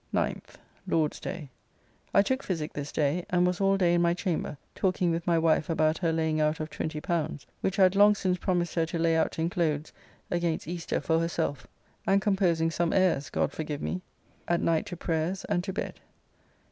9th (Lord's day). I took physique this day, and was all day in my chamber, talking with my wife about her laying out of L20, which I had long since promised her to lay out in clothes against Easter for herself, and composing some ayres, God forgive me! At night to prayers and to bed.